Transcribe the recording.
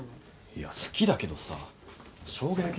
いや好きだけどさしょうが焼きには白米だろ。